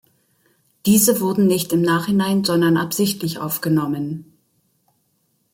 Diese wurden nicht im Nachhinein, sondern absichtlich aufgenommen.